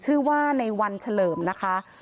ชื่อว่าในวันเฉลิมนะคะ